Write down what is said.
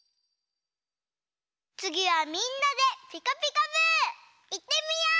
つぎはみんなで「ピカピカブ！」いってみよう！